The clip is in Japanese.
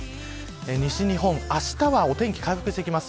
西日本あしたはお天気回復してきます。